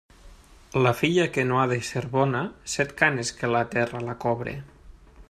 La filla que no ha de ser bona, set canes que la terra la cobre.